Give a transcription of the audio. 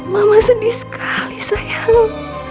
mama sedih sekali sayang